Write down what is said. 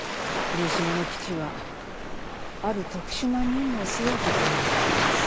この島の基地はある特殊な任務を背負うことになったんです。